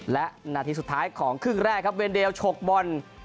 และนาทีสุดท้ายของครึ่งแรกครับเวนเดลฉกบอล